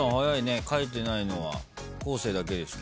書いてないのは昴生だけですけど。